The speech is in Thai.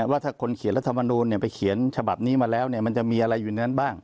ว่าถ้าคนเขียนรัฐมนูลไปเขียนฉบับนี้มาแล้วมันจะมีอะไรอยู่ในนั้นบ้าง